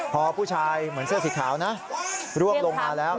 พอผู้ชายเหมือนเสื้อสีขาวนะร่วงลงมาแล้ว